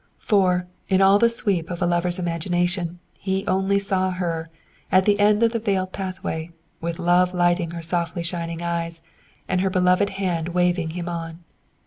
For, in all the sweep of a lover's imagination, he only saw her, at the end of the veiled pathway, with love lighting her softly shining eyes, and her beloved hand waving him on.